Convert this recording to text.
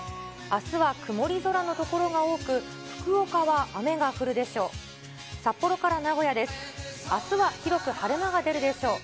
あすは曇り空の所が多く、福岡は雨が降るでしょう。